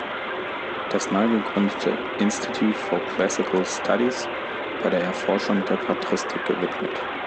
Das neu gegründete Institute for Classical Studies war der Erforschung der Patristik gewidmet.